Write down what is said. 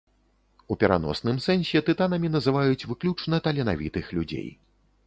У пераносным сэнсе тытанамі называюць выключна таленавітых людзей.